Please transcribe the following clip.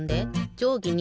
じょうぎ２